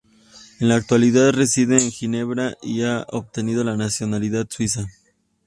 En la actualidad reside en Ginebra y ha obtenido la nacionalidad suiza.